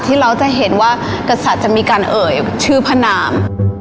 เราจะเห็นว่ากษัตริย์จะมีการเอ่ยชื่อพนาม